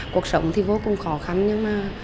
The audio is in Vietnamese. cuộc sống thì vô cùng khó khăn nhưng mà